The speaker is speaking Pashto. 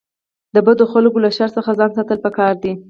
د بدو خلکو له شر څخه ځان ساتل پکار دي.